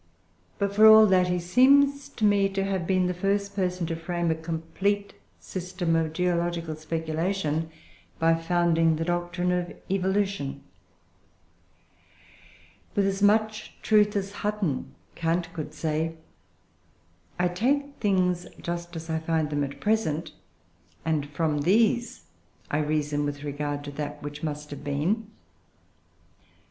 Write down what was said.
But for all that, he seems to me to have been the first person to frame a complete system of geological speculation by founding the doctrine of evolution. With as much truth as Hutton, Kant could say, "I take things just as I find them at present, and, from these, I reason with regard to that which must have been."